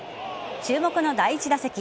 注目の第１打席。